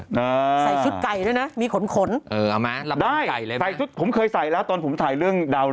ใส่ชุดไก่ด้วยนะมีขนเออเอามาได้ผมเคยใส่แล้วตอนผมใส่เรื่องดาวลึก